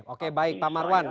oke baik pak marwan